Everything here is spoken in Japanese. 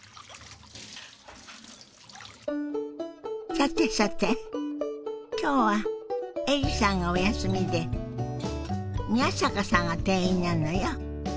さてさて今日はエリさんがお休みで宮坂さんが店員なのよ。